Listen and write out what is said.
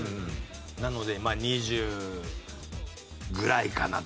なのでまあ２０ぐらいかなと。